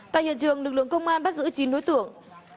tại hiện trường lực lượng công an bắt giữ chín đối tượng